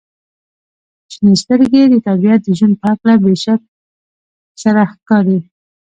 • شنې سترګې د طبیعت د ژوند په هکله بې شک سره ښکاري.